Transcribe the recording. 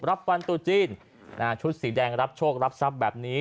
วันตัวจีนชุดสีแดงรับโชครับทรัพย์แบบนี้